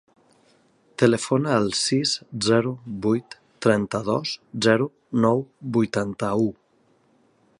Telefona al sis, zero, vuit, trenta-dos, zero, nou, vuitanta-u.